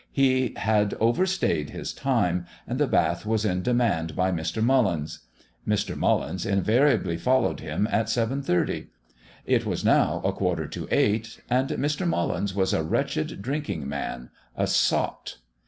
He had overstayed his time, and the bath was in demand by Mr. Mullins. Mr. Mullins invariably followed him at seven thirty; it was now a quarter to eight. And Mr. Mullins was a wretched drinking man "a sot."